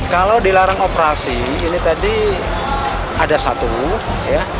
kalau dilarang operasi ini tadi ada satu ya